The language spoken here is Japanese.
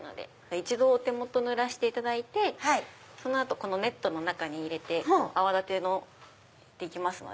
一度お手元ぬらしていただいてその後このネットの中に入れて泡立てて行きますので。